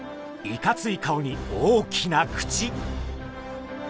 いかつい顔に大きな口！